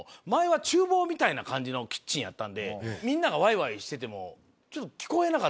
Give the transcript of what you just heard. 前は厨房みたいなキッチンやったんでみんながワイワイしてても。